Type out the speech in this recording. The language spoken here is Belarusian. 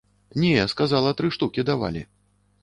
Не, сказала, тры штукі давалі.